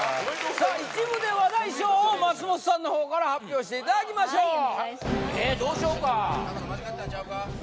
さあ一部で話題賞を松本さんの方から発表していただきましょうはいお願いしますえ